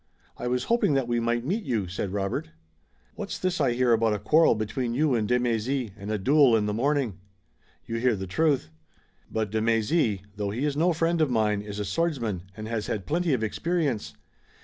"I was hoping that we might meet you," said Robert. "What's this I hear about a quarrel between you and de Mézy and a duel in the morning?" "You hear the truth." "But de Mézy, though he is no friend of mine, is a swordsman, and has had plenty of experience.